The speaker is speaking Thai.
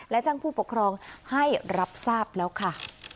และแจ้งผู้ปกครองให้รับทราบแล้วค่ะ